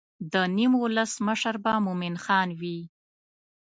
د نیم ولس مشر به مومن خان وي.